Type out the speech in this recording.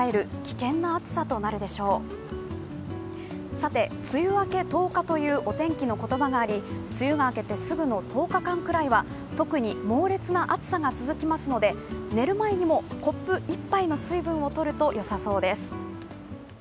さて、梅雨明け１０日というお天気の言葉があり梅雨が明けてすぐの１０日間ぐらいは特に猛烈な暑さが続きますので寝る前にもコップ１杯の水を飲むとよさそうです。